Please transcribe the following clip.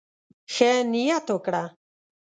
ښه نيت وکړه.